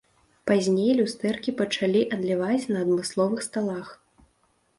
Пазней люстэркі пачалі адліваць на адмысловых сталах.